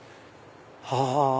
はぁ。